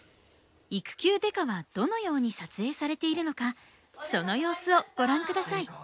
「育休刑事」はどのように撮影されているのかその様子をご覧下さい。